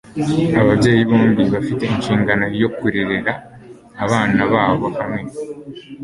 ababyeyi bombi bafite inshingano yo kurerera abana babo hamwe